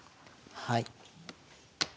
はい。